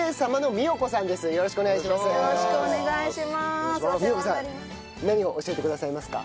美代子さん何を教えてくださいますか？